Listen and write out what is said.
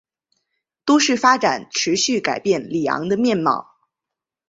都市发展持续改变里昂的面貌。